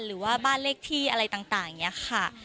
หรือว่าบ้านเลขที่อะไรต่างอย่างนี้ค่ะ